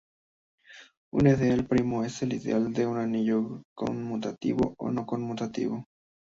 Un ideal primo es un Ideal de un anillo conmutativo o no-conmutativo.